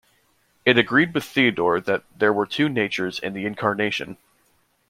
It agreed with Theodore that there were two natures in the Incarnation.